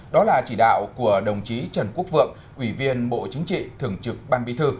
đó là chỉ đạo của đồng chí trần quốc vượng ủy viên bộ chính trị thường trực ban bí thư